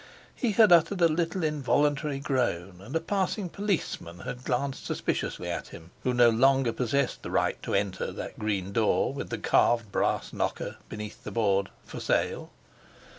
He had uttered a little involuntary groan, and a passing policeman had glanced suspiciously at him who no longer possessed the right to enter that green door with the carved brass knocker beneath the board "For Sale!"